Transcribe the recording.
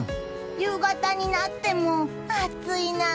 夕方になっても暑いな。